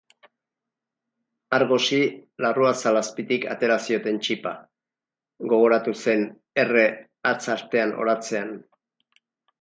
Argosi larruazal azpitik atera zioten txipa, gogoratu zen Erre hatz artean oratzean.